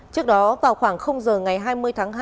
trước đó vào khoảng giờ ngày hai mươi tháng hai